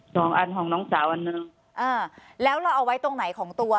สองอันของน้องสาวอันหนึ่งอ่าแล้วเราเอาไว้ตรงไหนของตัว